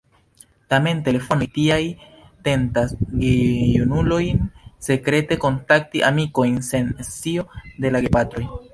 Tamen telefonoj tiaj tentas gejunulojn sekrete kontakti amikojn sen scio de la gepatroj.